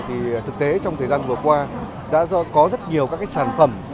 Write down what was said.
thì thực tế trong thời gian vừa qua đã có rất nhiều các sản phẩm